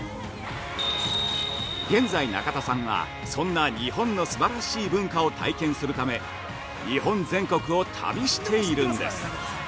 現在、中田さんはそんな日本のすばらしい文化を体験するため日本全国を旅しているんです。